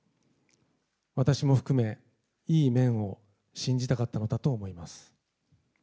私も含め、いい面を信じたかったのだと思います。